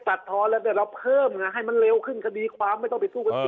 ตัดท้อนแล้วเพิ่มให้มันเร็วขึ้นคดีความไม่ต้องไปสู้